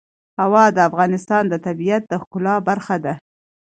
هوا د افغانستان د طبیعت د ښکلا برخه ده.